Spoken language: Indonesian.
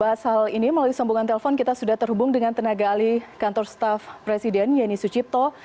bahas hal ini melalui sambungan telepon kita sudah terhubung dengan tenaga alih kantor staff presiden yeni sucipto